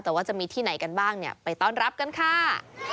แต่ว่าจะมีที่ไหนกันบ้างเนี่ยไปต้อนรับกันค่ะ